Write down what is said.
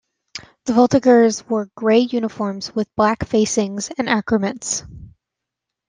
The Voltigeurs wore grey uniforms, with black facings and accoutrements.